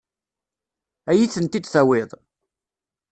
Ad iyi-tent-id-tawiḍ?